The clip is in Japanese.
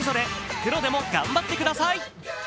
プロでも頑張ってください。